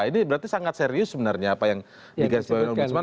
ini berarti sangat serius sebenarnya apa yang digarisbawahi om busman